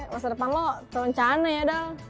masa depan lo terencana ya dong